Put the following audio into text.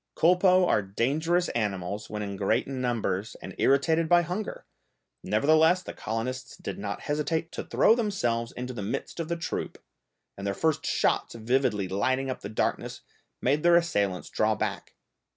Culpeux are dangerous animals when in great numbers and irritated by hunger, nevertheless the colonists did not hesitate to throw themselves into the midst of the troop, and their first shots vividly lighting up the darkness made their assailants draw back.